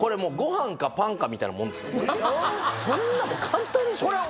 はっそんなもん簡単でしょ